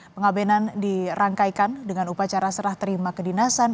pengabenan dirangkaikan dengan upacara serah terima kedinasan